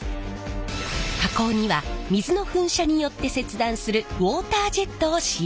加工には水の噴射によって切断するウォータージェットを使用。